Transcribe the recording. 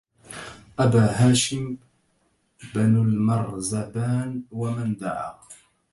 أبا هاشم بن المرزبان ومن دعى